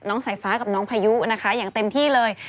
สายฟ้ากับน้องพายุนะคะอย่างเต็มที่เลย